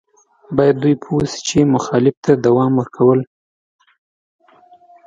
باید دوی پوه شي چې مخالفت ته دوام ورکول.